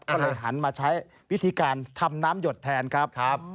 ก็เลยหันมาใช้วิธีการทำน้ำหยดแทนครับ